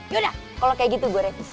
ya udah kalau kayak gitu gue retis